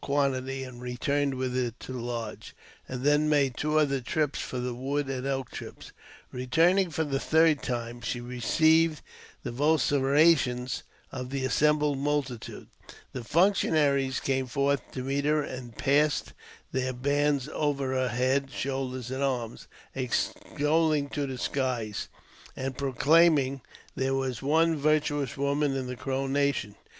quantity, and returned with it to the lodge, and then made two other trips for the wood and elk chips. Eeturning for the third time, she received the vociferations of the assembled^ multitude. The functionaries came forth to meet her, anji passed their hands over her head, shoulders, and arms, ' extolling her to the skies, and proclaiming there was one virtuous woman in the Crow nation.